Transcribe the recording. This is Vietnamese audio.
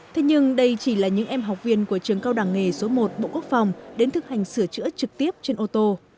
thế nhưng đây chỉ là những em học viên của trường cao đẳng nghề số một bộ quốc phòng đến thực hành sửa chữa trực tiếp trên ô tô